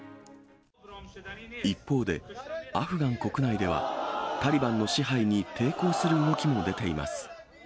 一方で、アフガン国内では、タリバンの支配に抵抗する動きも出ています。